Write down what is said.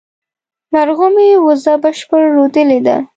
مرغومي، وزه بشپړه رودلې ده